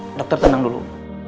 tapi dok dokter tenang dulu